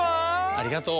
ありがとう。